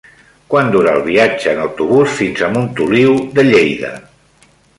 Quant dura el viatge en autobús fins a Montoliu de Lleida?